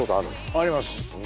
あります